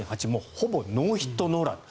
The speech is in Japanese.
ほぼノーヒット・ノーラン。